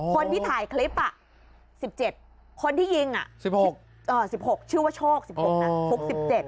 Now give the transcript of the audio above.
คนที่ถ่ายคลิป๑๗คนที่ยิง๑๖ชื่อว่าโชค๑๖นะ